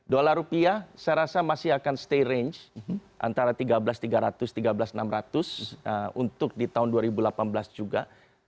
dolar rupiah saya rasa masih akan stay range antara tiga belas tiga ratus tiga belas enam ratus untuk di tahun dua ribu delapan belas juga